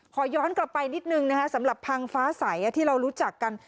ขอย้อนกลับไปนิดนึงนะคะสำหรับพังฟ้าใสที่เรารู้จักกัน